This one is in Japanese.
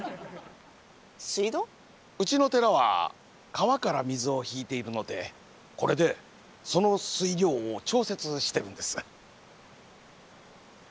うちの寺は川から水を引いているのでこれでその水量を調節してるんです。